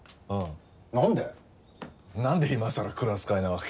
なんで今さらクラス会なわけ？